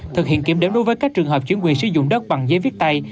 thực hiện kiểm đếm đối với các trường hợp chuyển quyền sử dụng đất bằng giấy viết tay